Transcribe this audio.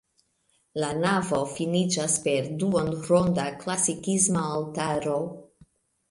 La navo finiĝas per duonronda klasikisma altaro.